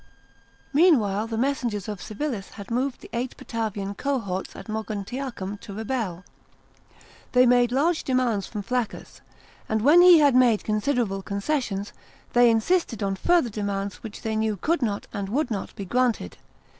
Meanwhile the messengers of Civilis had moved the eight Batavian cohorts at Moguntiacum to rebel. They made large demands from Flaccus ; and when he had made considerable conces sions, they insisted on further demands which they knew could not and would not be granted.